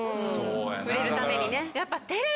売れるためにね。